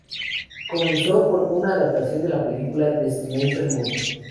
Comenzó con una adaptación de la película "Destination Moon".